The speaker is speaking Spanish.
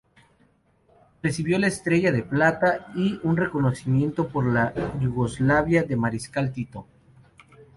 Recibió la Estrella de Plata y un reconocimiento por la Yugoslavia del Mariscal Tito.